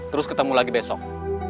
terus ketemu lagi besok